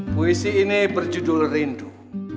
puisi ini berjudul rindu